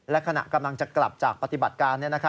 และขณะกำลังจะกลับจากปฏิบัติการ